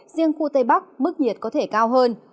riêng khu tây bắc mức nhiệt có thể cao hơn